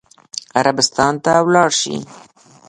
عربستان ته ولاړ شي.